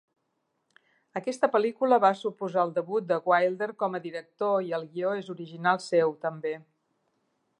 Aquesta pel·lícula va suposar el debut de Wilder com a director, i el guió és original seu, també.